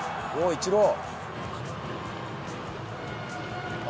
イチロー。